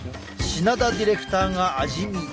品田ディレクターが味見！